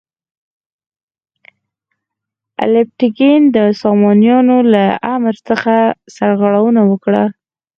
الپتکین د سامانیانو له امر څخه سرغړونه وکړه.